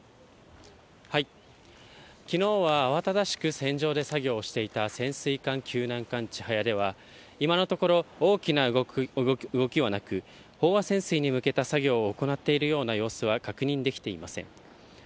きのうは慌ただしく船上で作業をしていた潜水艦救難艦ちはやでは、今のところ大きな動きはなく、飽和潜水に向けた作業を行っているような様子は確認できていません。